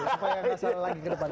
supaya nggak salah lagi ke depan